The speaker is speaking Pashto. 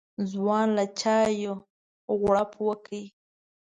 ځوان له چايه غوړپ وکړ.